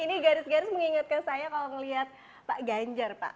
ini garis garis mengingatkan saya kalau melihat pak ganjar pak